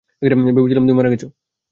ভেবেছিলাম তুমি মারা গেছ।